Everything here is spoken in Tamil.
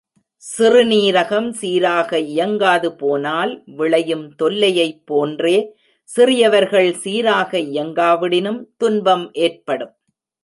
சிறுநீரகம் சீராக இயங்காது போனால் விளையும் தொல்லையைப் போன்றே சிறியவர்கள் சீராக இயங்காவிடினும் துன்பம் ஏற்படும்.